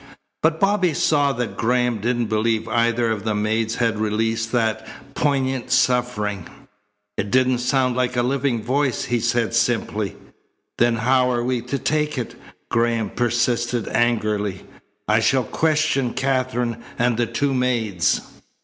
But Bobby saw that Graham didn't believe either of the maids had released that poignant suffering. "It didn't sound like a living voice," he said simply. "Then how are we to take it?" Graham persisted angrily. "I shall question Katherine and the two maids."